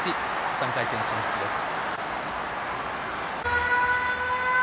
３回戦進出です。